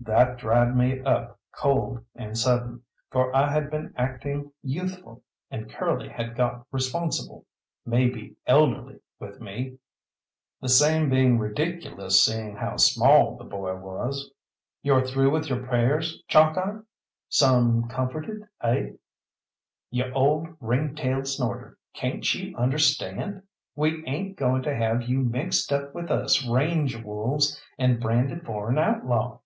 That dried me up cold and sudden, for I had been acting youthful, and Curly had got responsible, maybe elderly with me, the same being ridiculous seeing how small the boy was. "Yo're through with yo' prayers, Chalkeye? Some comforted, eh? You ole ring tailed snorter, cayn't you understand? We ain't going to have you mixed up with us range wolves, and branded for an outlaw.